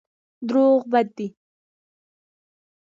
دروغ بد دی.